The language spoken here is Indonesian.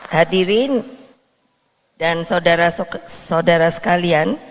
hadirin dan saudara saudara sekalian